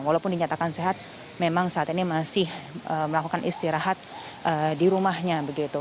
walaupun dinyatakan sehat memang saat ini masih melakukan istirahat di rumahnya begitu